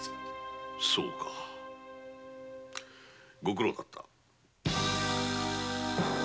そうかご苦労だった。